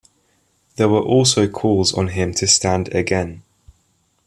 There were also calls on him to stand again.